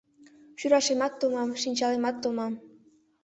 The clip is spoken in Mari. Шӱрашемат томам, шинчалемат томам